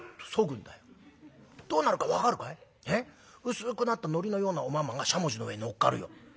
薄くなった糊のようなおまんまがしゃもじの上にのっかるよ。